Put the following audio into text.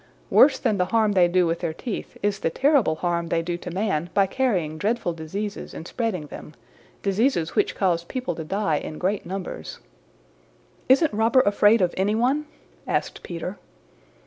Worse than the harm they do with their teeth is the terrible harm they do to man by carrying dreadful diseases and spreading them diseases which cause people to die in great numbers." "Isn't Robber afraid of any one?" asked Peter.